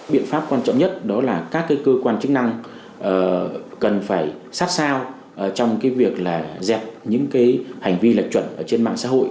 biện pháp quan trọng nhất đó là các cơ quan chức năng cần phải sát sao trong việc là dẹp những hành vi lệch chuẩn trên mạng xã hội